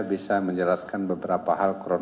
bisa menjelaskan beberapa hal kron